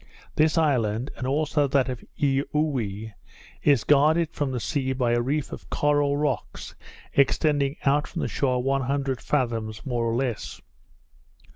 This island, and also that of Eaoowee, is guarded from the sea by a reef of coral rocks, extending out from the shore one hundred fathoms more or less.